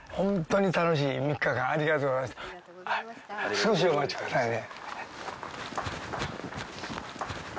少しお待ちくださいね。